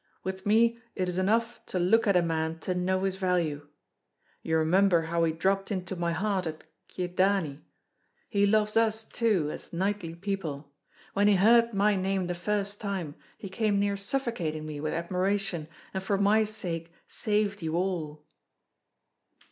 With me it is enough to look at a man to know his value. You remember how he dropped into my heart at Kyedani? He loves us, too, as knightly people. When he heard my name the first time, he came near suffocating me with admiration, and for my sake saved you all."